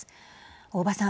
大庭さん。